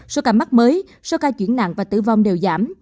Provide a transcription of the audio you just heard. số ca mắc mới số ca chuyển nặng và tử vong đều giảm